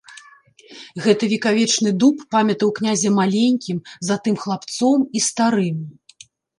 Гэты векавечны дуб памятаў князя маленькім, затым хлапцом і старым.